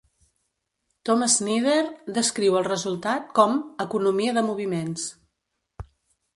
Tom Snyder descriu el resultat com "economia de moviments".